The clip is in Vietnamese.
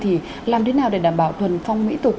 thì làm thế nào để đảm bảo thuần phong mỹ tục